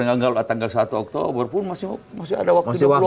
tanggal satu oktober pun masih ada waktu dua puluh